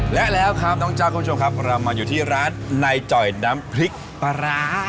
และแล้วครับน้องจ๊ะคุณผู้ชมครับเรามาอยู่ที่ร้านในจ่อยน้ำพริกปลาร้า